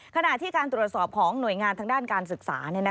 ขณะที่การตรวจสอบของหน่วยงานทางด้านการศึกษา